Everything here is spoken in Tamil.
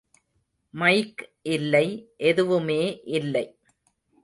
மைக் இல்லை எதுவுமே இல்லை.